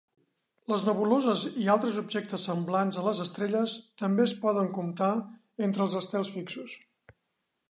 Les nebuloses i altres objectes semblants a les estrelles també es poden comptar entre els estels fixos.